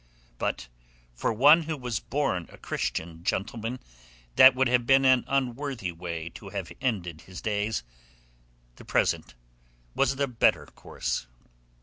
But for one who was born a Christian gentleman that would have been an unworthy way to have ended his days. The present was the better course.